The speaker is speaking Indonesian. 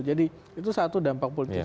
jadi itu satu dampak politis